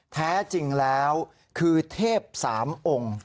แท้จริงแล้วคือเทพสามองค์